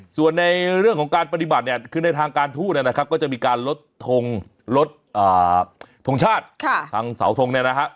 ส่วนในเรื่องของการปฏิบัติเนี่ยคือในทางการทูตนะครับก็จะมีการลดทงลดทงชาติทางเสาทงเนี่ยนะฮะ